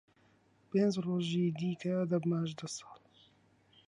پێنج ڕۆژی دیکە دەبمە هەژدە ساڵ.